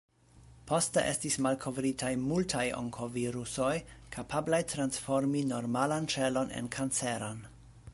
Poste estis malkovritaj multaj onkovirusoj, kapablaj transformi normalan ĉelon en kanceran.